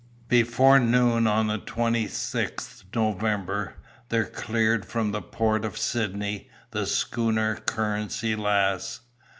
Before noon on the 26th November, there cleared from the port of Sydney the schooner, Currency Lass.